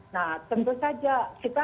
nah tentu saja kita